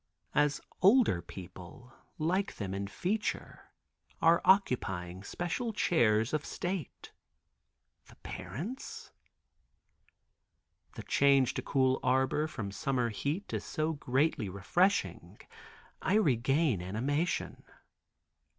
As older people, like them in feature are occupying special chairs of state—the parents? The change to cool arbor from summer heat is so greatly refreshing I regain animation.